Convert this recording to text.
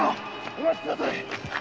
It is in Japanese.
お待ちくだされ！